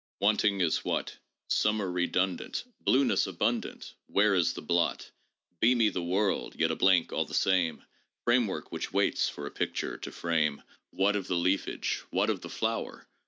" Wanting is — what? Summer redundant, Blueness abundant, — Where is the blot? Beamy the world, yet a blank all the same, — Framework which waits for a picture to frame : What of the leafage, what of the flower?